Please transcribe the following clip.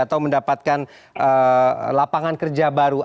atau mendapatkan lapangan kerja baru